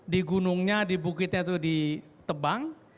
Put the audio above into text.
di gunungnya di bukitnya itu di tebang